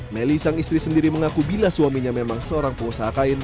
melly sang istri sendiri mengaku bila suaminya memang seorang pengusaha kain